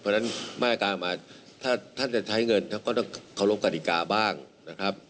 เพราะฉะนั้นมาตรการมาถ้าท่านจะใช้เงินท่านก็ต้องเคารพกฎิกาบ้างนะครับ